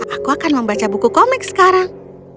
aku akan membaca buku komik sekarang